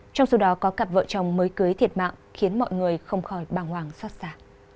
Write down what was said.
trong số đó có cặp vợ chồng mới cưới thiệt mạng khiến mọi người không khỏi bàng hoàng xót xa